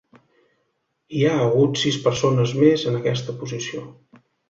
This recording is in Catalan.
Hi ha hagut sis persones més en aquesta posició.